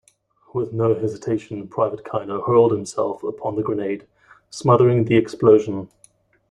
With no hesitation, Private Kiner hurled himself upon the grenade, smothering the explosion.